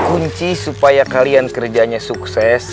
kunci supaya kalian kerjanya sukses